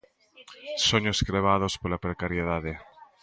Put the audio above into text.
Soños crebados pola precariedade.